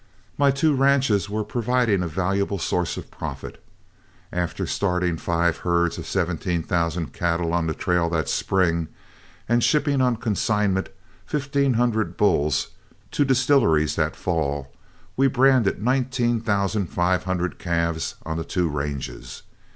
My two ranches were proving a valuable source of profit. After starting five herds of seventeen thousand cattle on the trail that spring, and shipping on consignment fifteen hundred bulls to distilleries that fall, we branded nineteen thousand five hundred calves on the two ranges.